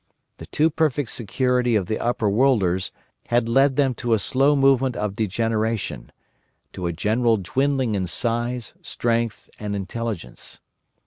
The too perfect security of the Overworlders had led them to a slow movement of degeneration, to a general dwindling in size, strength, and intelligence.